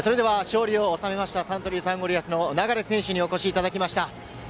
勝利を収めましたサントリーサンゴリアスの流選手にお越しいただきました。